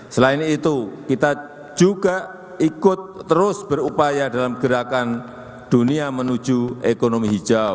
selain itu kita juga ikut terus berupaya dalam gerakan dunia menuju ekonomi hijau